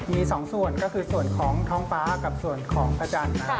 มี๒ส่วนก็คือส่วนของท้องป้ากับส่วนของพระจันทร์